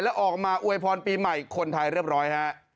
แล้วออกมาอวยพรปีใหม่คนไทยเรียบร้อยฮะ